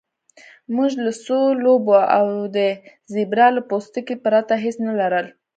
موږ له څو لوبو او د زیبرا له پوستکي پرته هیڅ نه لرل